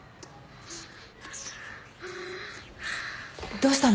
どうしたの？